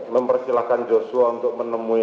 mempersilahkan joshua untuk menemui